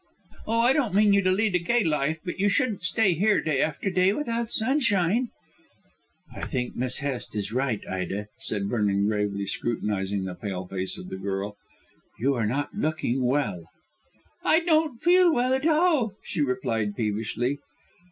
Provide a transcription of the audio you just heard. "Oh, I don't mean you to lead a gay life. But you shouldn't stay here day after day without sunshine." "I think Miss Hest is right, Ida," said Vernon, gravely scrutinising the pale face of the girl; "you are not looking well." "I don't feel at all well," she replied peevishly.